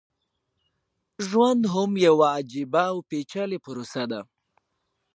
ژوند هم يوه عجيبه او پېچلې پروسه ده.